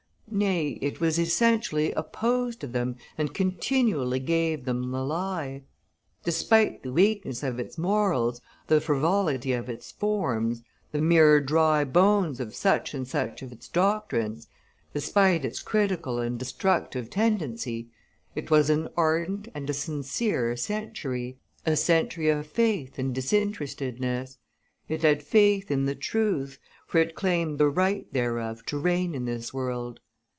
Nay, it was essentially opposed to them and continually gave them the lie. Despite the weakness of its morals, the frivolity of its forms, the mere dry bones of such and such of its doctrines, despite its critical and destructive tendency, it was an ardent and a sincere century, a century of faith and disinterestedness. It had faith in the truth, for it claimed the right thereof to reign in this world.